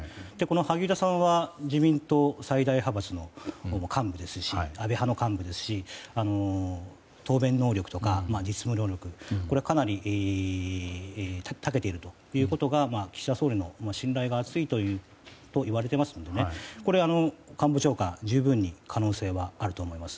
萩生田さんは、自民党最大派閥安倍派の幹部ですし答弁能力やレスポンス能力かなり立てていることが岸田総理の信頼が厚いといわれていますので官房長官、十分に可能性はあると思います。